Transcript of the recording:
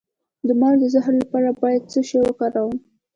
د مار د زهر لپاره باید څه شی وکاروم؟